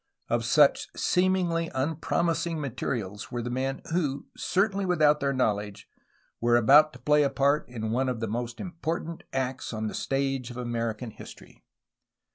Of such seemingly unpromising materials were the men who, certainly without their knowledge, were about to play a part in one of the most important acts on the stage of American history.